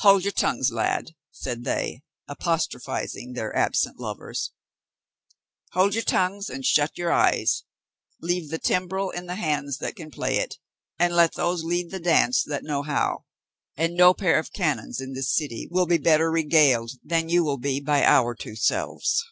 "Hold your tongues, lads," said they, apostrophising their absent lovers, "hold your tongues and shut your eyes; leave the timbrel in the hands that can play it, and let those lead the dance that know how, and no pair of canons in this city will be better regaled than you will be by our two selves."